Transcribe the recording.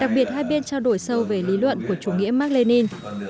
đặc biệt hai bên trao đổi sâu về lý luận của chủ nghĩa mark lê ninh